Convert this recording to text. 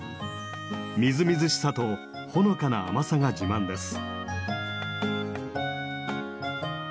みずみずしさとほのかな甘さが自慢です。